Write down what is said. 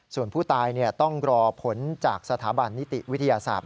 ส่วนผู้ตายต้องรอผลจากสถาบันนิติวิทยาศาสตร์